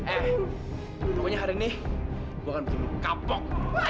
eh pokoknya hari ini gue akan bikin lo kabok